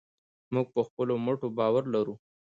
موږ په خپلو مټو باور لرو.